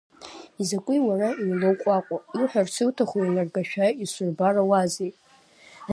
Изакәи уара еилоуҟәаҟәо, иуҳәарц иуҭаху еилыргашәа исурбарауазеи!